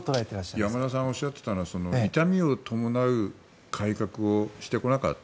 山田さんがおっしゃっていたのは痛みを伴う改革をしてこなかった。